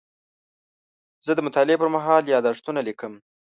زه د مطالعې پر مهال یادښتونه لیکم.